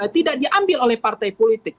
tidak diambil oleh partai politik